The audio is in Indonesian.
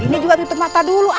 ini juga tutup mata dulu